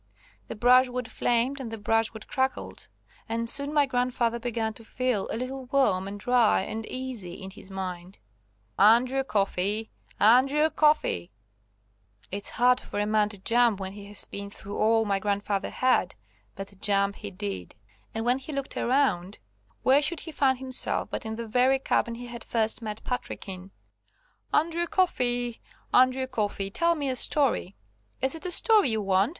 The brushwood flamed, and the brushwood crackled, and soon my grandfather began to feel a little warm and dry and easy in his mind. "Andrew Coffey! Andrew Coffey!" It's hard for a man to jump when he has been through all my grandfather had, but jump he did. And when he looked around, where should he find himself but in the very cabin he had first met Patrick in. "Andrew Coffey, Andrew Coffey, tell me a story." "Is it a story you want?"